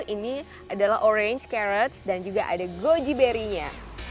ini adalah orange carrots dan juga ada goji berry nya